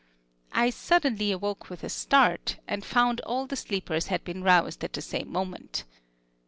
I suddenly awoke with a start, and found all the sleepers had been roused at the same moment.